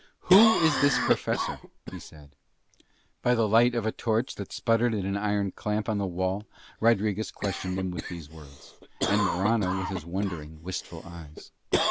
"Who is this professor?" he said. By the light of a torch that spluttered in an iron clamp on the wall Rodriguez questioned him with these words, and Morano with his wondering, wistful eyes.